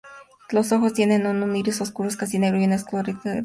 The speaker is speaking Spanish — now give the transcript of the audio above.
Los ojos tienen un iris oscuro, casi negro, y una esclerótica de color roja.